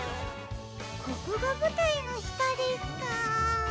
ここがぶたいのしたですか。